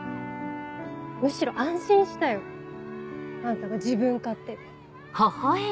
むしろ安心したよあんたが自分勝手で。